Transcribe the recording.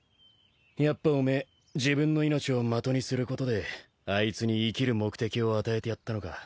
やっぱお前自分の命を的にすることであいつに生きる目的を与えてやったのか。